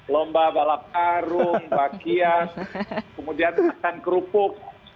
lomba balap karung bagian kemudian akan kerupuk